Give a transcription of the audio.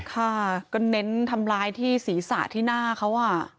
ค่ะก็เน้นทำร้ายที่ศีรษะที่หน้าเขา